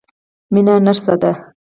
مينه نرسه ده.